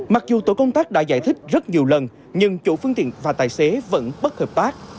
mặc dù tổ công tác đã giải thích rất nhiều lần nhưng chủ phương tiện và tài xế vẫn bất hợp tác